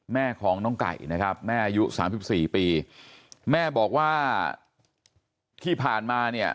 แม่ของน้องไก่นะครับแม่อายุสามสิบสี่ปีแม่บอกว่าที่ผ่านมาเนี่ย